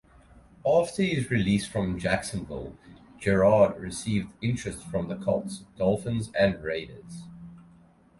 After his release from Jacksonville, Garrard received interest from the Colts, Dolphins and Raiders.